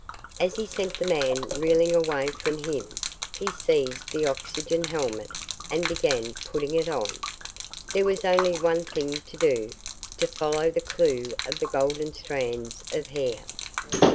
As he sent the man reeling away from him, he seized the oxygen helmet and began putting it on. There was only one thing to do to follow the clue of the golden strands of hair.